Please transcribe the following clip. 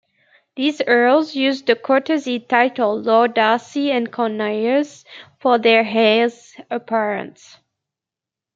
These Earls used the courtesy title "Lord Darcy and Conyers" for their heirs apparent.